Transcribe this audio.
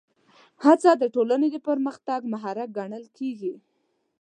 هڅه د ټولنې د پرمختګ محرک ګڼل کېږي.